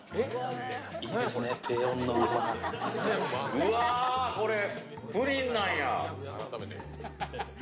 うわあこれプリンなんや。